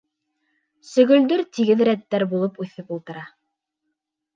Сөгөлдөр тигеҙ рәттәр булып үҫеп ултыра.